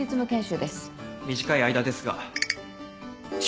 短い間ですが。